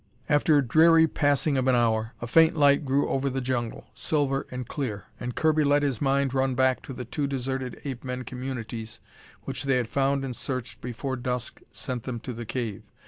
After dreary passing of an hour, a faint light grew over the jungle, silver and clear, and Kirby let his mind run back to the two deserted ape men communities which they had found and searched before dusk sent them to the cave.